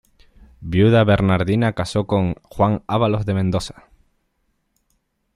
Viuda, Bernardina casó con Juan Ábalos de Mendoza.